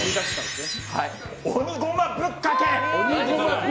鬼ごまぶっかけ！